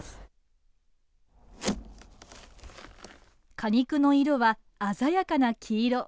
果肉の色は鮮やかな黄色。